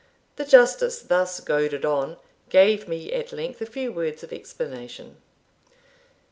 The Justice, thus goaded on, gave me at length a few words of explanation.